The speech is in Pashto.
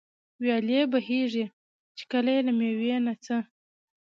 ويالې بهېږي، چي كله ئې له مېوې نه څه